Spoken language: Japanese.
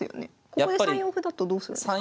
ここで３四歩だとどうするんですか？